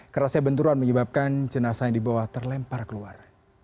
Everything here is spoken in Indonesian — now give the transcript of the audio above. kerasnya benturan menyebabkan jenasa yang dibawa terlempar keluar